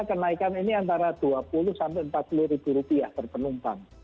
jadi kenaikan ini antara rp dua puluh sampai rp empat puluh berpenumpang